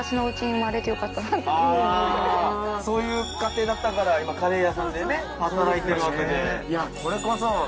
ああそういう家庭だったから今カレー屋さんでね働いてるわけで。